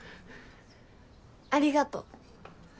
ありがと。